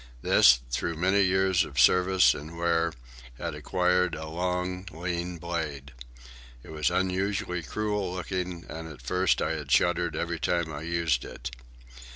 This, through many years of service and wear, had acquired a long, lean blade. It was unusually cruel looking, and at first I had shuddered every time I used it.